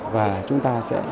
và chúng ta sẽ